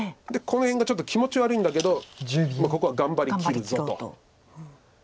この辺がちょっと気持ち悪いんだけどここは頑張りきるぞと。